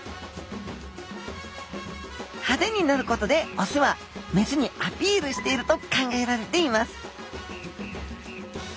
派手になることでオスはメスにアピールしていると考えられています